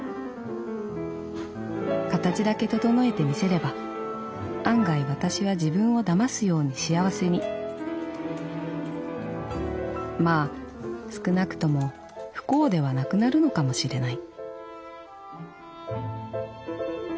「形だけ整えてみせれば案外私は自分を騙すように幸せにまあ少なくとも不幸ではなくなるのかもしれない」。